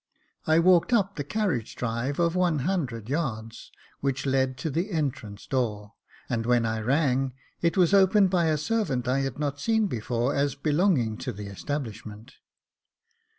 I walked up the carriage drive of one hundred yards, which led to the entrance door ; and when I rang, it was opened by a servant I had not seen before as belonging to the establishment.